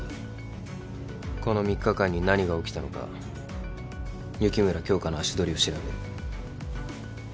この３日間に何が起きたのか雪村京花の足取りを調べる。